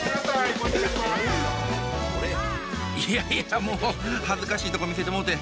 いやいやもう恥ずかしいとこ見せてもうて。